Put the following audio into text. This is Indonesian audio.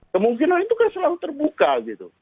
kemungkinan itu kan selalu terbuka gitu